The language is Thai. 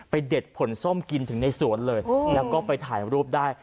เด็ดผลส้มกินถึงในสวนเลยแล้วก็ไปถ่ายรูปได้